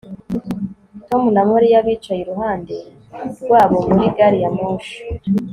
Tom na Mariya bicaye iruhande rwabo muri gari ya moshi